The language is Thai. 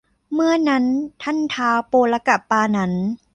เมื่อนั้นท่านท้าวโปลากะปาหงัน